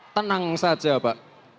tenang saja pak